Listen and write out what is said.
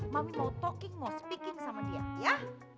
mami mau talking mau speaking sama dia ya